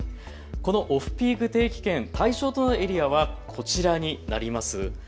オフピーク定期券対象となるエリアはこちらになります。